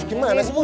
gimana sih mus